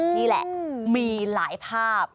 นี่แหละมีหลายภาพ